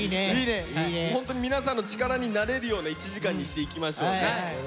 ホントに皆さんの力になれるような１時間にしていきましょうね。